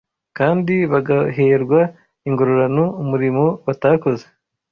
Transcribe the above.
kandi bagaherwa ingororano umurimo batakoze